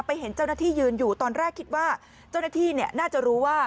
เห็นเจ้าหน้าที่ยืนอยู่ตอนแรกคิดว่าเจ้าหน้าที่น่าจะรู้ว่า